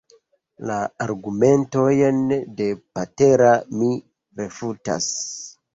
La argumentojn de Patera mi refutas.